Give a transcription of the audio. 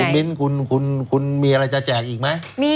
มิ้นคุณมีอะไรจะแจกอีกไหม